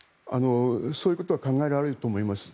そういうことは考えられると思います。